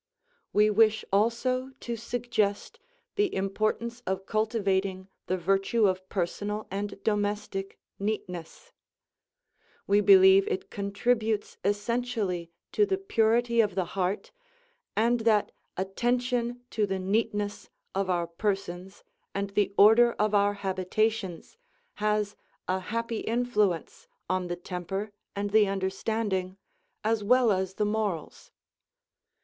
We wish also to suggest the importance of cultivating the virtue of personal and domestic neatness; we believe it contributes essentially to the purity of the heart, and that attention to the neatness of our persons, and the order of our habitations, has a happy influence on the temper and the understanding, as well as the morals.